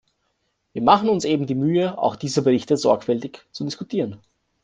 Wir machen uns eben die Mühe, auch diese Berichte sorgfältig zu diskutieren.